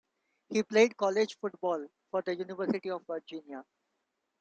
He played college football for the University of Virginia.